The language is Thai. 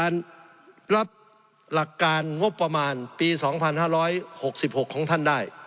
รับหลักการงบประมาณปีสองพันห้าร้อยหกสิบหกของท่านได้